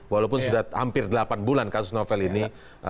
walaupun sudah hampir delapan bulan kasus novel ini